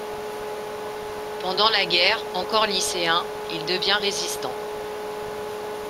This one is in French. Pendant la guerre, encore lycéen, il devient résistant.